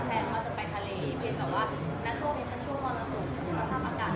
แผนก็จะไปทะเลเข็นแต่ว่าณช่วงนี้ซ่อมร้อนสูง